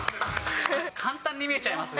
簡単に見えちゃいます。